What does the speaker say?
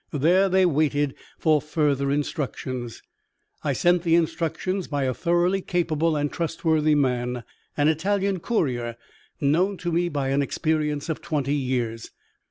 There they waited for further instructions. I sent the instructions by a thoroughly capable and trustworthy man an Italian courier, known to me by an experience of twenty years.